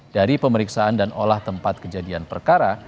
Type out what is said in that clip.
dari pemeriksaan dan olah tempat kejadian perkara